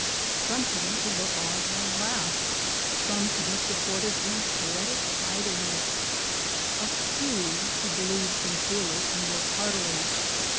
Some came to look \ on and laugh, some to be supported in poetic idle ^ ness, a few to believe sincerely and work heartily.